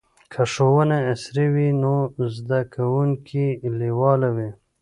که ښوونه عصري وي نو زده کوونکي لیواله وي.